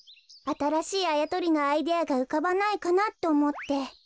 あたらしいあやとりのアイデアがうかばないかなっておもって。